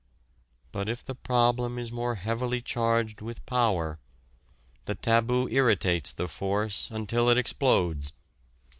But if the problem is more heavily charged with power, the taboo irritates the force until it explodes.